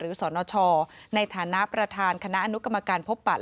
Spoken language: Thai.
หรือสรนชในฐานะประธานคณะอนุกรรมการพบปัตร